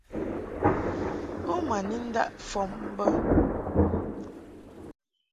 U ma ni ndaʼ fɔm bə.